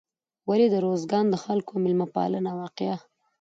ولې د روزګان د خلکو میلمه پالنه واقعا